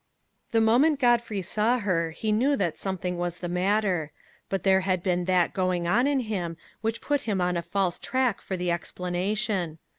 The moment Godfrey saw her, he knew that something was the matter; but there had been that going on in him which put him on a false track for the explanation.